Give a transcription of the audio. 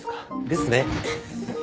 ですね。